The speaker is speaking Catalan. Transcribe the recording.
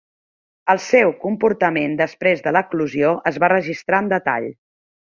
El seu comportament després de l'eclosió es va registrar en detall.